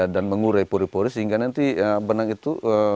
dan mengurai puri puri sehingga nanti benang itu